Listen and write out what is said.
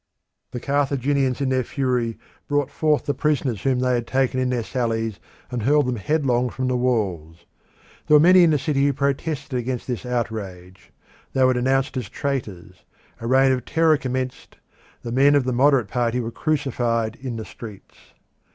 The Carthaginians in their fury brought forth the prisoners whom they had taken in their sallies, and hurled them headlong from the walls. There were many in the city who protested against this outrage. They were denounced as traitors; a reign of terror commenced; the men of the moderate party were crucified in the streets.